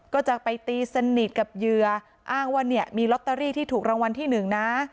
ก็จะไปตีสนิทกับเหยื่ออ้างว่าเนี่ยมีลอตเตอรี่ที่ถูกรางวัลที่หนึ่งนะ